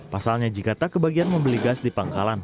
pasalnya jika tak kebagian membeli gas di pangkalan